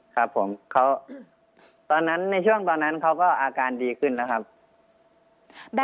ครับผมเขาตอนนั้นในช่วงตอนนั้นเขาก็อาการดีขึ้นแล้วครับ